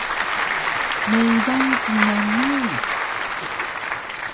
Meydang kingal miric